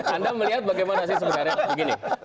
anda melihat bagaimana sih sebenarnya begini